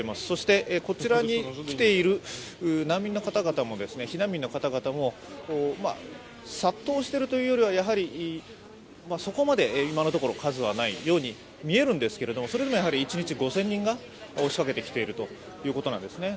そしてこちらに来ている避難民の方々も、殺到しているというよりはそこまで今のところは数がないように見えるんですがそれでも一日５０００人が押しかけてきているということなんです。